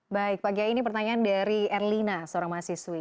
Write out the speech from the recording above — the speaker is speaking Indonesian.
baik pak kiai ini pertanyaan dari erlina seorang mahasiswi